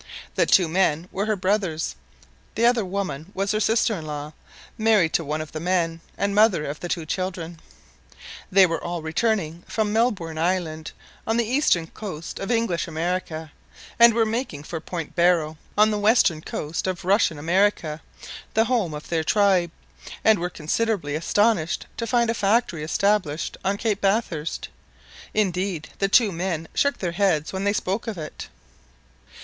The two men were her brothers; the other woman was her sister in law, married to one of the men, and mother of the two children. They were all returning from Melbourne Island, on the eastern coast of English America, and were making for Point Barrow, on the western coast of Russian America, the home of their tribe, and were considerably astonished to find a factory established on Cape Bathurst. Indeed the two men shook their heads when they spoke of it.